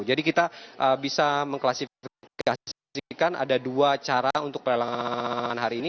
jadi kita bisa mengklasifikasikan ada dua cara untuk lelang hari ini